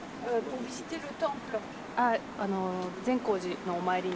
善光寺のお参りに。